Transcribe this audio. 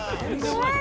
怖い！